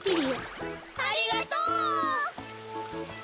ありがとう！